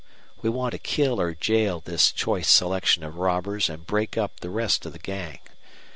We want to kill or jail this choice selection of robbers and break up the rest of the gang.